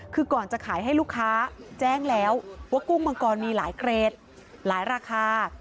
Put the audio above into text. คือก่อนจะขายให้ลูกค้าแจ้งแล้วว่ากุ้งมังกรมีหลายเกรดหลายราคา